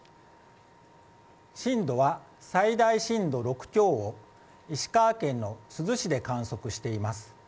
震度は最大震度６強を石川県の珠洲市で観測しています。